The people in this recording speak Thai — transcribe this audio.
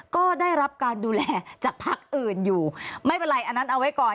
ก็ได้รับการดูแลจากพักอื่นอยู่ไม่เป็นไรอันนั้นเอาไว้ก่อน